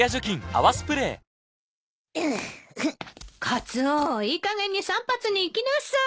カツオいいかげんに散髪に行きなさい。